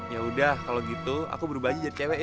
yaudah kalo gitu aku berubah aja jadi cewek ya